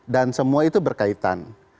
dan semua itu berkaitan